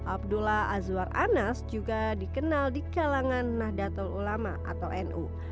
abdullah azwar anas juga dikenal di kalangan nahdlatul ulama atau nu